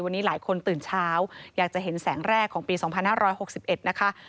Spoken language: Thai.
วันนี้หลายคนตื่นเช้าอยากจะเห็นแสงแรกของปี๒๕๖๑นะคะ